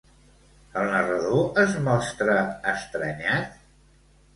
El narrador es mostra estranyat?